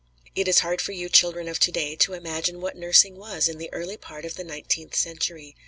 It is hard for you children of to day to imagine what nursing was in the early part of the nineteenth century.